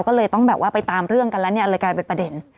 ก็เลยต้องแบบว่าไปตามเรื่องกันแล้วเนี่ยเลยกลายเป็นประเด็น